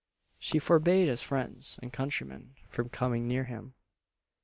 She forbade his friends and countrymen from coming near him.